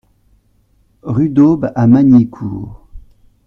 Rue d'Aube à Magnicourt